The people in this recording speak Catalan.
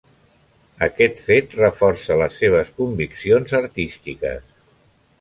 Aquest fet reforça les seves conviccions artístiques.